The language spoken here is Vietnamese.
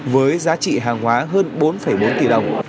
với giá trị hàng hóa hơn bốn bốn tỷ đồng